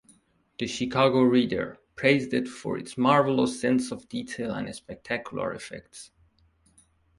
The "Chicago Reader" praised it for its "marvelous sense of detail and spectacular effects".